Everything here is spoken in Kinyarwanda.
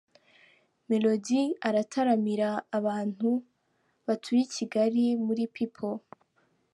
Melody arataramira abantu batuye i Kigali muri Peaple .